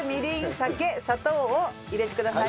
酒砂糖を入れてください。